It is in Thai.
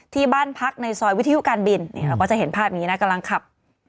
ที่บ้านพักในซอยวิทยุการบินเราก็จะเห็นภาพนี้นะกำลังขับ